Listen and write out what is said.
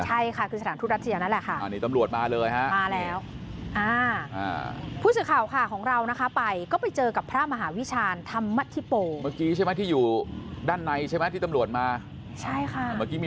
ใช่ค่ะคือสถานทูตรัชยานั่นแหละค่ะ